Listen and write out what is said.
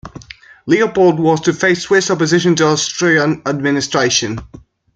Leopold was to face Swiss opposition to Austrian administration.